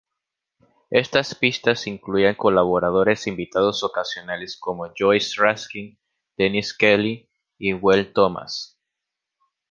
Estas pistas incluían colaboradores invitados ocasionales como Joyce Raskin, Dennis Kelly y Buell Thomas.